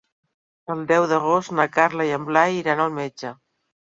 El deu d'agost na Carla i en Blai iran al metge.